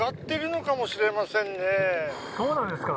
そうなんですか。